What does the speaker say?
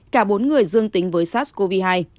cả bốn người dương tính với sars cov hai